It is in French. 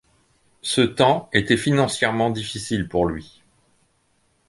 Ce temps était financièrement difficile pour lui.